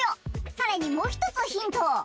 さらにもうひとつヒント。